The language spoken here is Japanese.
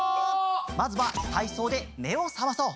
まずはたいそうでめをさまそう。